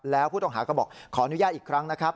แล้วผู้ต้องหาก็บอกขออนุญาตอีกครั้งนะครับ